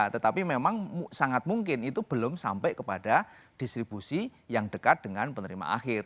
tetapi memang sangat mungkin itu belum sampai kepada distribusi yang dekat dengan penerima akhir